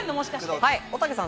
おたけさん